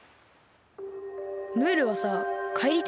ムールはさかえりたいの？